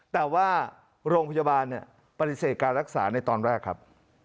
แต่ว่าโรงพยาบาลปฏิเสธการรักษาในตอนแรกครับ